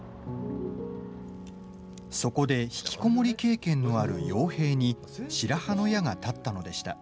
そこで、ひきこもり経験のある陽平に白羽の矢が立ったのでした。